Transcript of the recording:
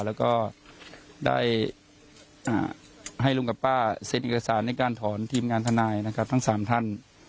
แล้วก็ได้ให้ลุงกับป้าเซ็นเอกสารในการถอนทีมงานทนายนะครับทั้ง๓ท่าน